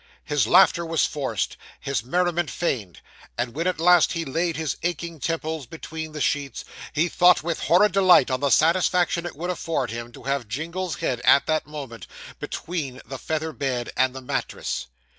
His laughter was forced his merriment feigned; and when at last he laid his aching temples between the sheets, he thought, with horrid delight, on the satisfaction it would afford him to have Jingle's head at that moment between the feather bed and the mattress.